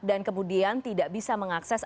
dan kemudian tidak bisa mengakses